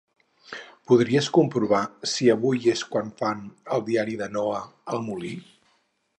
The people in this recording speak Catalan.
Podries comprovar si avui és quan fan "El diari de Noa" al Molí?